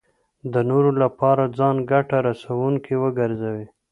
د نورو لپاره ځان ګټه رسوونکی وګرځوي.